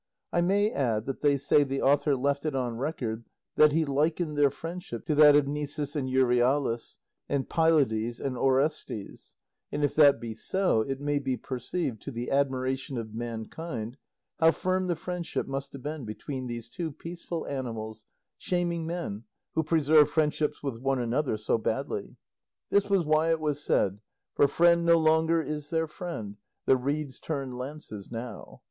I may add that they say the author left it on record that he likened their friendship to that of Nisus and Euryalus, and Pylades and Orestes; and if that be so, it may be perceived, to the admiration of mankind, how firm the friendship must have been between these two peaceful animals, shaming men, who preserve friendships with one another so badly. This was why it was said For friend no longer is there friend; The reeds turn lances now.